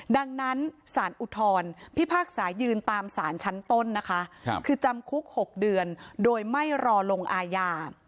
ดังนั้นสารอุทธรพิพากษายืนตามสารชั้นต้นนะคะคือจำคุก๖เดือนโดยไม่รอลงอาญา